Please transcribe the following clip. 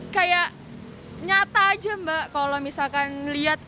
kayak nyata aja mbak kalau misalkan lihat